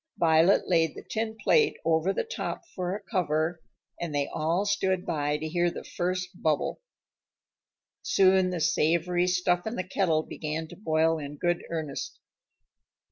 Violet laid the tin plate over the top for a cover, and they all stood by to hear the first bubble. Soon the savory stuff in the kettle began to boil in good earnest.